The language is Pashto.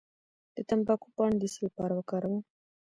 د تمباکو پاڼې د څه لپاره وکاروم؟